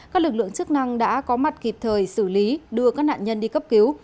các lực lượng chức năng đã có mặt kịp thời xử lý đưa các nạn nhân đi cấp cứu